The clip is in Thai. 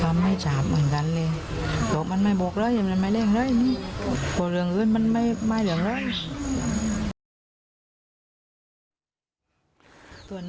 ทำไม่จาบเหมือนกันเลยโหมันไม่บกเลยมันไม่เล่งเลยโหเรื่องอื่นมันไม่มาเรื่องเลย